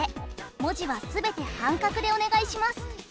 文字は全て半角でお願いします。